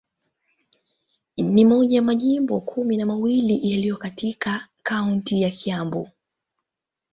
Ni moja kati ya majimbo kumi na mawili yaliyo katika kaunti ya Kiambu.